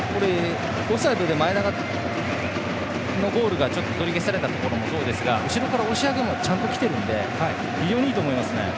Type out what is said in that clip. オフサイドで前田のゴールが取り消しにされた時もそうでしたが後ろから押し上げもちゃんと来ているのでいいと思います。